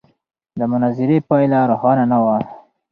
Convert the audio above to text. د مناظرې پایله روښانه نه وه.